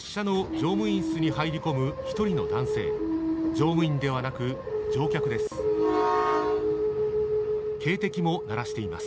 乗務員ではなく、乗客です。